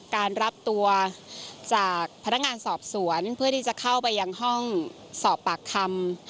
การรับตัวจากพนักงานสอบสวนเพื่อที่จะเข้าไปยังห้องสอบปากคำ